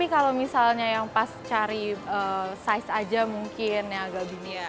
kalau misalnya yang pas cari size aja mungkin yang agak gini ya